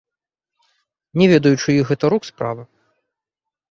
Не ведаю чыіх гэта рук справа.